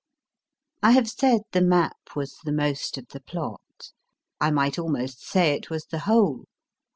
I have said the map was the most of the plot. I might almost say it was the whole.